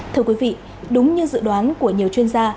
thưa quý vị đúng như dự đoán của nhiều chuyên gia